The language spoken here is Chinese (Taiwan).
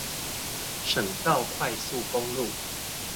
省道快速公路